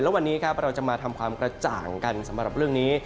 และวันนี้ครับเราจะมาทำความกระจ่างกันสำหรับเรื่องนี้